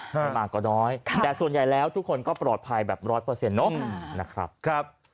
ไม่มาก็น้อยแต่ส่วนใหญ่แล้วทุกคนก็ปลอดภัยแบบร้อยเปอร์เซ็นต์เนอะนะครับ